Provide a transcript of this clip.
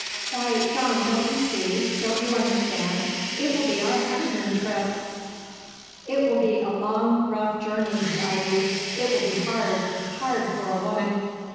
Why, John, don't you see, don't you understand? It will be our honeymoon trip!" "It will be a long, rough journey," he argued. "It will be hard hard for a woman."